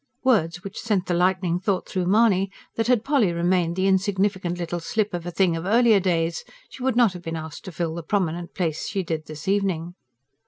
words which sent the lightning thought through Mahony that, had Polly remained the insignificant little slip of a thing of earlier days, she would not have been asked to fill the prominent place she did this evening.